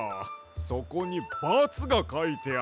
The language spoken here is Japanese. そこにバツがかいてある。